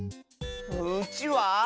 うちわ？